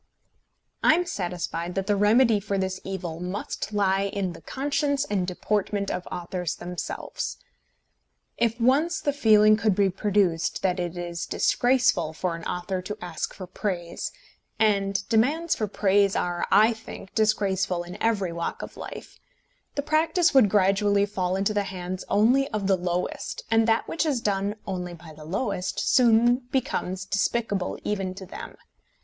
I am satisfied that the remedy for this evil must lie in the conscience and deportment of authors themselves. If once the feeling could be produced that it is disgraceful for an author to ask for praise, and demands for praise are, I think, disgraceful in every walk of life, the practice would gradually fall into the hands only of the lowest, and that which is done only by the lowest soon becomes despicable even to them.